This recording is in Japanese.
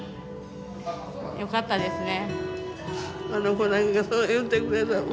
よかったですね。